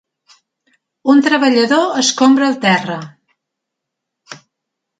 Un treballador escombra el terra.